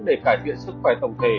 để cải tiện sức khỏe tổng thể